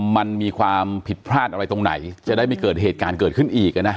มันมีความผิดพลาดอะไรตรงไหนจะได้ไม่เกิดเหตุการณ์เกิดขึ้นอีกนะ